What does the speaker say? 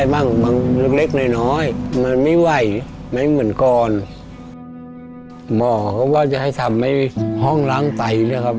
มัวก็จะให้ทำให้ห้องล้างไต